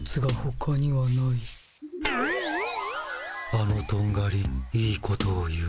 あのとんがりいいことを言う。